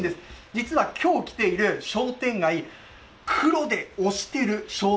実はきょう来ている商店街、黒で？